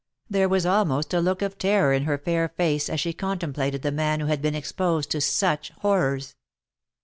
There was almost a look of terror in her fair face as she contemplated the man who had been exposed to such horrors.